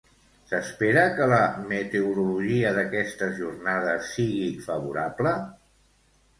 S'espera que la meteorologia d'aquestes jornades sigui favorable?